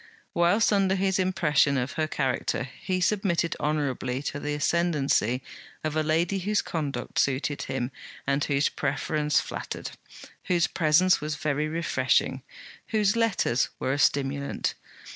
Whilst under his impression of her character, he submitted honourably to the ascendancy of a lady whose conduct suited him and whose preference flattered; whose presence was very refreshing; whose letters were a stimulant.